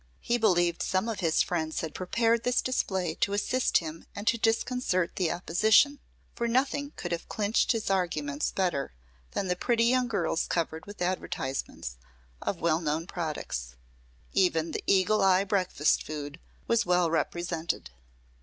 He believed some of his friends had prepared this display to assist him and to disconcert the opposition, for nothing could have clinched his arguments better than the pretty young girls covered with advertisements of well known products. Even the Eagle Eye Breakfast Food was well represented.